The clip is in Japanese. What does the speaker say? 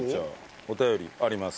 お便りあります。